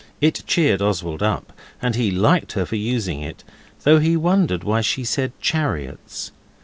It cheered Oswald up, and he liked her for using it, though he wondered why she said chariots.